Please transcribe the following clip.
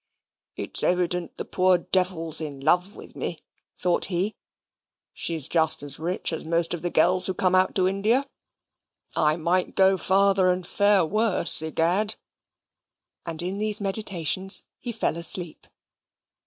"It's evident the poor devil's in love with me," thought he. "She is just as rich as most of the girls who come out to India. I might go farther, and fare worse, egad!" And in these meditations he fell asleep.